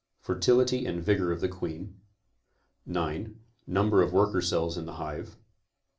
Fertility and vigor of the queen. 9. Number of worker cells in the hive.